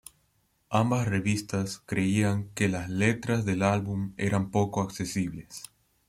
Ambas revistas creían que las letras del álbum eran poco accesibles.